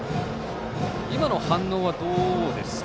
今の反応はどうですか？